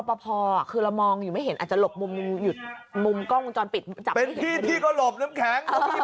ได้ขึ้นมาเลยนี่ค่ะคุยกับใครอ่ะนั่นอ่ะสิพยายามหา